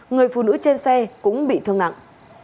người phụ nữ trên xe cũng bị thương nặng